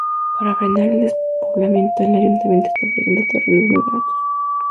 Para frenar el despoblamiento, el ayuntamiento está ofreciendo terrenos muy baratos.